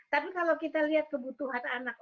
tapi kalau kita lihat kebutuhan anak